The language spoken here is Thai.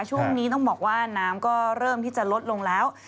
ช่วงนี้ต้องบอกว่าน้ำก็เริ่มที่จะลดลงแล้ว